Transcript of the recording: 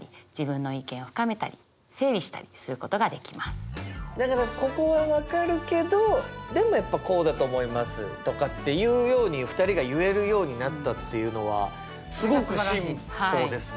今回のようにだからここは分かるけどでもやっぱこうだと思いますとかっていうように２人が言えるようになったっていうのはすごく進歩ですね。